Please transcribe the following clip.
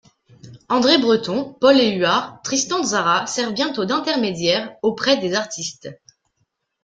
André Breton, Paul Éluard, Tristan Tzara servent bientôt d'intermédiaires auprès des artistes.